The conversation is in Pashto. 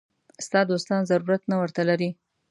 ستا دوستان ضرورت نه ورته لري.